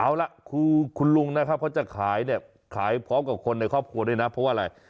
เอาล่ะคือคุณลุงนะครับเขาจะขายเนี่ยขายพร้อมกับคนในครอบครัวด้วยนะเพราะว่าอะไร